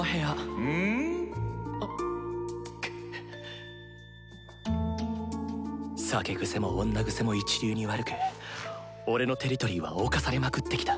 心の声酒癖も女癖も一流に悪く俺のテリトリーは侵されまくってきた。